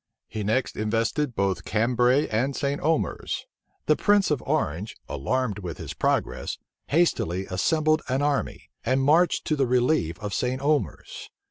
He next invested both Cambray and St. Omers. The prince of Orange, alarmed with his progress, hastily assembled an army, and marched to the relief of St. Omers.